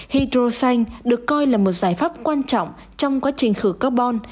hydro xanh được coi là một giải pháp quan trọng trong quá trình khử carbon